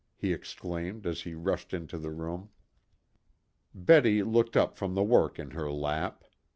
he exclaimed, as he rushed into the room. Betty looked up from the work in her lap.